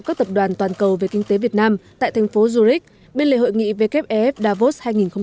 các tập đoàn toàn cầu về kinh tế việt nam tại thành phố zurich bên lề hội nghị wfef davos hai nghìn một mươi chín